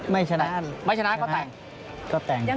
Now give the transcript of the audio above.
ไม่ชนะก็แต่ง